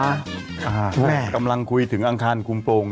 แม่กำลังคุยถึงอังคารคุมโปรง